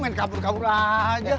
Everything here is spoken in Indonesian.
main kabur kabur aja